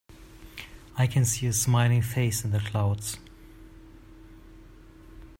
I can see a smiling face in the clouds.